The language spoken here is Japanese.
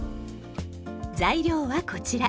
材料はこちら。